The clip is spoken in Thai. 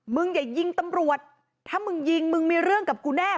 มึงอย่ายิงตำรวจถ้ามึงยิงมึงมีเรื่องกับกูแน่